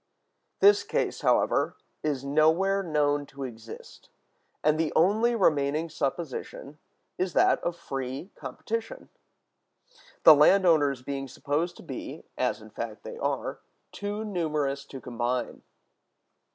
This case, however, is nowhere known to exist; and the only remaining supposition is that of free competition; the land owners being supposed to be, as in fact they are, too numerous to combine.